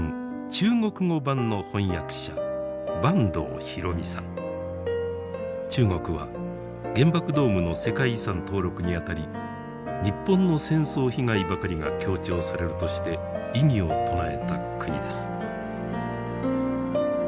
中国語版の中国は原爆ドームの世界遺産登録に当たり日本の戦争被害ばかりが強調されるとして異議を唱えた国です。